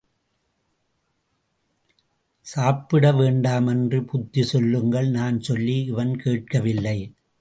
சாப்பிட வேண்டாமென்று புத்தி சொல்லுங்கள், நான் சொல்லி இவன் கேட்கவில்லை.